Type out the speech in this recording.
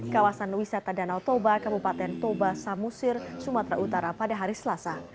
kawasan wisata danau toba kabupaten toba samusir sumatera utara pada hari selasa